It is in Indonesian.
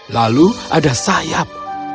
lalu ada sayap